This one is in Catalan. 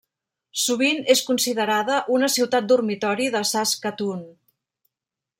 Sovint és considerada una ciutat dormitori de Saskatoon.